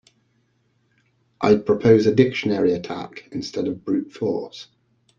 I'd propose a dictionary attack instead of brute force.